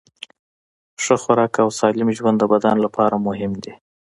ښه خوراک او سالم ژوند د بدن لپاره مهم دي.